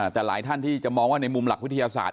แต่หลายท่านที่จะมองว่าในมุมหลักวิทยาศาสตร์